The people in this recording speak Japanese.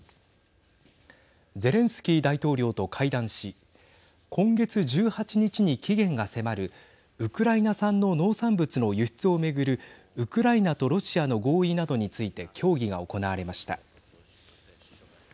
ゼレンスキー大統領と会談し今月１８日に期限が迫るウクライナ産の農産物の輸出を巡るウクライナとロシアの合意などについて協議が行われました。